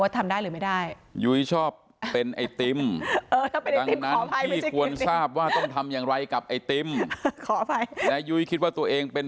ที่ควรทราบว่าต้องทำอย่างไรกับไอติมขออภัยและยุ้ยคิดว่าตัวเองเป็น